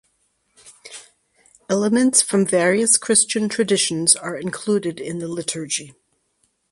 Elements from various Christian traditions are included in the liturgy.